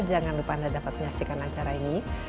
jangan lupa anda dapat menyaksikan acara ini